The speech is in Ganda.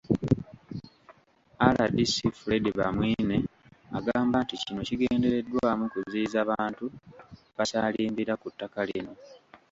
RDC Fred Bamwine agamba nti kino kigendereddwamu kuziyiza bantu basaalimbira ku ttaka lino.